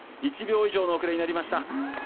１秒以上の遅れになりました。